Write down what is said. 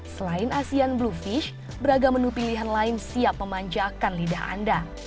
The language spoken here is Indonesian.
selain asean blue fish beragam menu pilihan lain siap memanjakan lidah anda